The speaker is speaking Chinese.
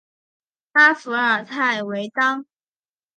拉弗尔泰维当。